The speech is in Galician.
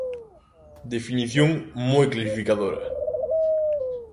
Definición moi clarificadora.